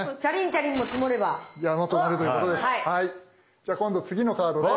じゃあ今度次のカードです。